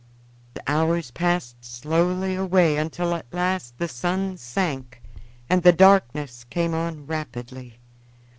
The hours passed slowly away until at last the sun sank and the darkness came on rapidly.